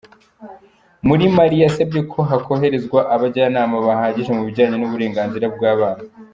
Muri Mali, yasabye ko hoherezwa abajyanama bahagije mu bijyanye n’uburenganzira bw’abana.